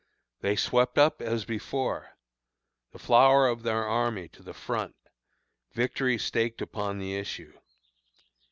They swept up as before: the flower of their army to the front, victory staked upon the issue.